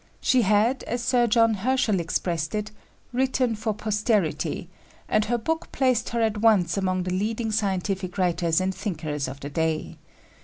She had, as Sir John Herschel expressed it, "written for posterity," and her book placed her at once among the leading scientific writers and thinkers of the day.